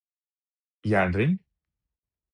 jernring